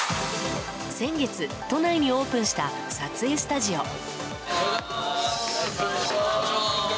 先月、都内にオープンした撮影スタジオ。